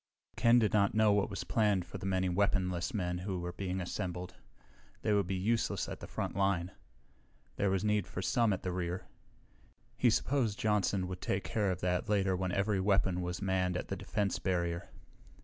Ken did not know what was planned for the many weaponless men who were being assembled. They would be useless at the frontline. There was need for some at the rear. He supposed Johnson would take care of that later when every weapon was manned at the defense barrier.